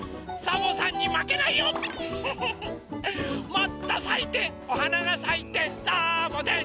もっとさいておはながさいてサーボテン。